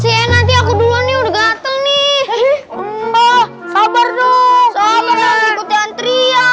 sih nanti aku dulu nih udah gatel nih sabar sabar